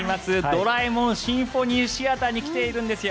ドラえもん交響楽シアターに来ているんですよ。